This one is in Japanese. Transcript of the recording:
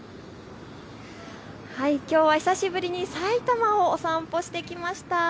きょうは久しぶりに埼玉をお散歩してきました。